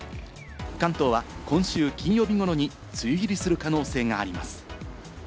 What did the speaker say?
関東は今週金曜日頃に梅雨入りする可能性があります。